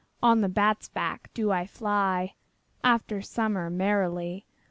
On the bat's back I do fly After summer merrily.